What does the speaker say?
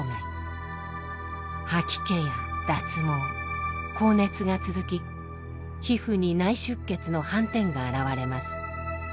吐き気や脱毛高熱が続き皮膚に内出血の斑点が現れます。